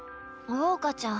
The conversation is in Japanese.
・桜花ちゃん。